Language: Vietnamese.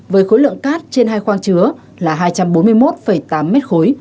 với khối lượng cát trên hai khoang chứa là hai trăm bốn mươi một tám m ba